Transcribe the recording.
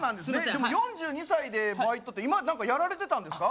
でも４２歳でバイトって今まで何かやられてたんですか？